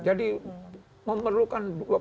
jadi memerlukan dua puluh tahun